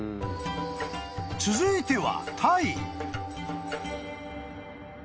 ［続いては］